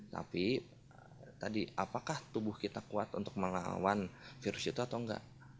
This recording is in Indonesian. tapi tadi apakah tubuh kita kuat untuk melawan virus itu atau enggak